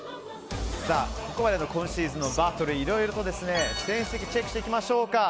ここまでの今シーズンのバトルいろいろと成績チェックしていきましょうか。